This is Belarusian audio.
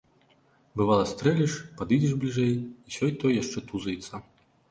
Бывала, стрэліш, падыдзеш бліжэй, а сёй-той яшчэ тузаецца.